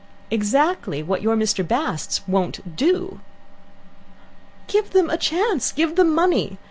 "Exactly what your Mr. Basts won't do." "Give them a chance. Give them money.